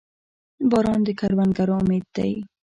• باران د کروندګرو امید دی.